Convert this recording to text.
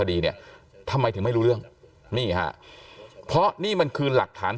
ดีเนี่ยทำไมถึงไม่รู้เรื่องนี่ฮะเพราะนี่มันคือหลักฐาน